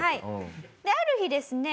である日ですね